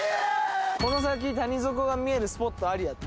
この先谷底が見えるスポットありだって。